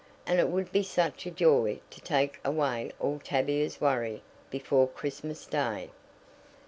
"And it would be such a joy to take away all Tavia's worry before Christmas Day."